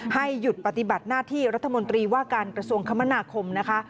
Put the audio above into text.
ให้หยุดปฏิบัติหน้าที่รัฐมนตรีว่าการกระทรวงคมนาคมนะคะ